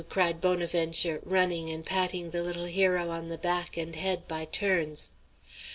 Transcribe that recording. cried Bonaventure, running and patting the little hero on the back and head by turns.